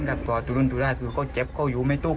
แม้ว่าทุนทุนดามันเจ็บมาก